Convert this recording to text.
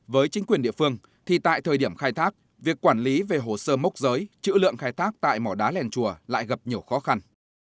với chính quyền địa phương thì tại thời điểm khai thác việc quản lý về hồ sơ mốc giới chữ lượng khai thác tại mỏ đá len chùa lại gặp nhiều khó khăn